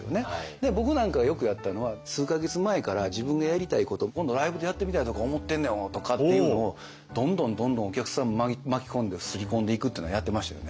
で僕なんかがよくやったのは数か月前から自分がやりたいこと今度ライブでやってみたいとか思ってんねんとかっていうのをどんどんどんどんお客さん巻き込んですり込んでいくっていうのはやってましたよね。